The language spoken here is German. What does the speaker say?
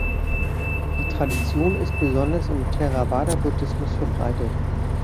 Die Tradition ist besonders im Theravada-Buddhismus verbreitet.